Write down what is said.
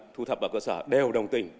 thu thập vào cơ sở đều đồng tình